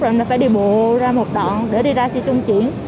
rồi phải đi bộ ra một đoạn để đi ra xe chung chuyển